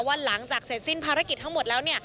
หลังจากเสร็จสิ้นภารกิจทั้งหมดแล้ว